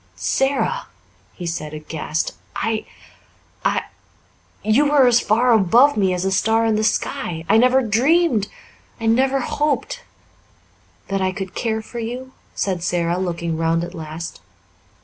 "Sara!" he said, aghast. "I I you were as far above me as a star in the sky I never dreamed I never hoped " "That I could care for you?" said Sara, looking round at last.